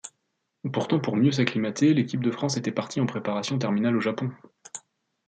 Pourtant, pour mieux s'acclimater, l'équipe de France était partie en préparation terminale au Japon.